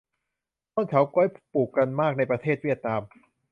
ต้นเฉาก๊วย ปลูกกันมากในประเทศเวียดนาม